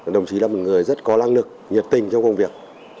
đồng chí là một người rất có năng lực nhiệt tình trong công việc